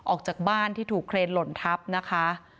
ออกจากบ้านที่ถูกเครนหล่นทับนะคะ